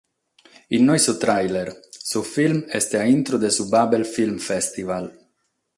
Inoghe su tràiler, su film est a intro de su Babel Film Festival.